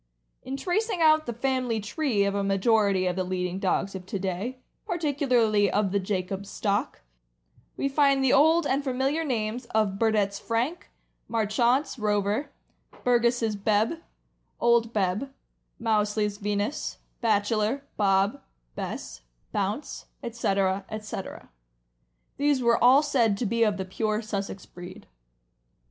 In tracing out the " family tree" of a majority of the leading dogs of to day (particularly of the Jacobs stock), we find the old and familiar names of Burdett's Frank, Marchant' s Rover, Burgess' Bebb, Old Bebb, Mousley's Venus, Bachelor, Bob, Bess, Bounce, etc., etc.; these were all said to be of the pure Sussex breed.